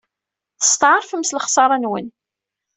Testeɛṛfem s lexṣara-nwen.